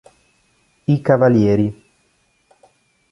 I cavalieri